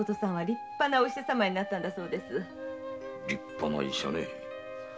立派な医者ね。